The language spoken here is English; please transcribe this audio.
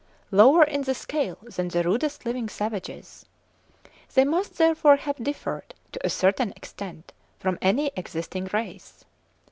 "lower in the scale than the rudest living savages"; they must therefore have differed, to a certain extent, from any existing race.